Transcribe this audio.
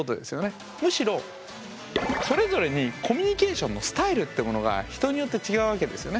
むしろそれぞれにコミュニケーションのスタイルってものが人によって違うわけですよね。